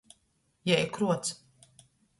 Jei kruoc.